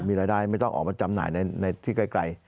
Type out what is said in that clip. มีรายได้ไม่ต้องออกมาจำหน่ายในที่ไกล